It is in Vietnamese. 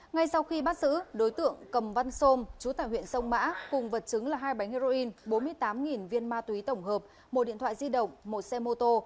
ngay sau khi bắt giữ đối tượng cầm văn sôm chú tải huyện sông mã cùng vật chứng là hai bánh heroin bốn mươi tám viên ma túy tổng hợp một điện thoại di động một xe mô tô